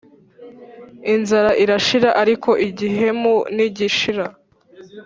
Inzara irashira ariko igihemu ntigishira